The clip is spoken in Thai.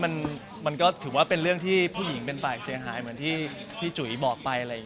มันก็คือเรื่องที่ผู้หญิงเป็นปลายเสียหาย